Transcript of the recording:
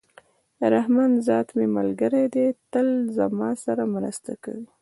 رحمان ذات مي ملګری دئ! تل زما سره مرسته کوي.